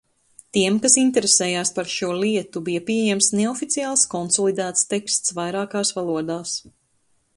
Tiem, kas interesējās par šo lietu, bija pieejams neoficiāls konsolidēts teksts vairākās valodās.